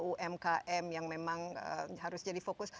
umkm yang memang harus jadi fokus